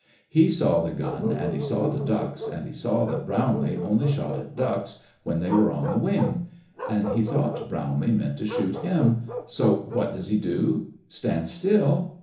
He saw the gun and he saw the ducks, and he saw that Brownlee only shot at ducks when they were on the wing. And he thought Brownlee meant to shoot him, so what does he do? Stand still?